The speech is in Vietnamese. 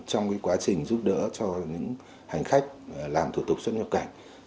trong quá trình giúp đỡ cho những hành khách làm thủ tục xuất nhập cảnh